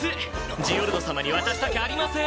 ジオルド様に渡したくありません。